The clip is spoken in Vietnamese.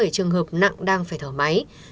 ba trăm hai mươi bảy trường hợp nặng đang phải thở máy